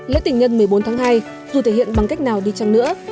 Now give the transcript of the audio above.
lễ tình nhân một mươi bốn tháng hai dù thể hiện bằng cách nào đi chăng nữa